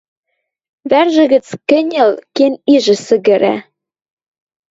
Вӓржӹ гӹц кӹньӹл кен ижӹ сӹгӹрӓ: